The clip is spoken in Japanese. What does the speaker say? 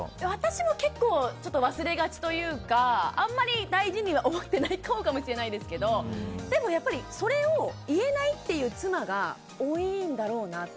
私も結構、忘れがちというかあんまり大事には思ってないほうかもしれないですけどでもやっぱりそれを言えないっていう妻が多いんだろうなって。